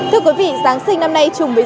thưa quý vị giáng sinh năm nay chung với